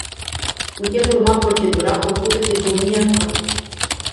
Putem urma procedura propusă de domnia sa.